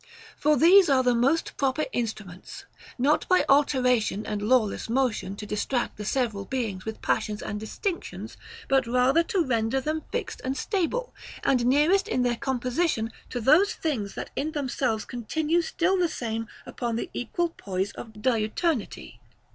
For these are the most proper instruments, not by alteration and lawless motion to distract the several beings with passions and distinctions, but rather to render them fixed and stable, and nearest in their composition to those things that in themselves continue still the same upon the equal poise of diuturnity.